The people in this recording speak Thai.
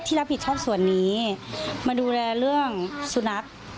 รับผิดชอบส่วนนี้มาดูแลเรื่องสุนัข